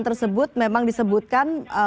tersebut memang disebutkan